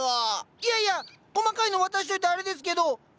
いやいや細かいの渡しといてあれですけど増えてませんよ！